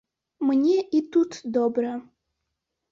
Мне і тут добра.